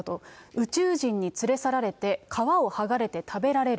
宇宙人に連れ去られて皮を剥がれて食べられる。